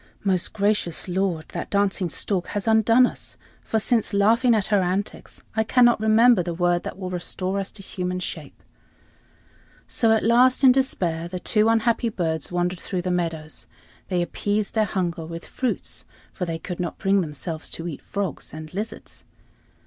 "Most gracious lord, that dancing stork has undone us, for, since laughing at her antics, I cannot remember the word that will restore us to human shape." So at last, in despair, the two unhappy birds wandered through the meadows. They appeased their hunger with fruits, for they could not bring themselves to eat frogs and lizards.